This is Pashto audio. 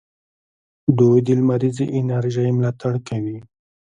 دوی د لمریزې انرژۍ ملاتړ کوي.